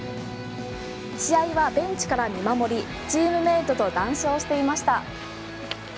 試合はベンチから見守りチームメイトと談笑していました。